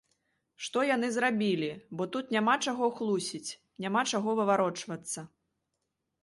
Што яны зрабілі, бо тут няма чаго хлусіць, няма чаго выварочвацца.